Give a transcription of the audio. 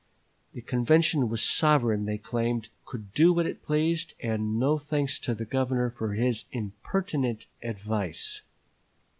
The convention was sovereign, they claimed, could do what it pleased, and no thanks to the Governor for his impertinent advice.